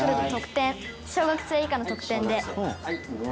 「小学生以下の特典で」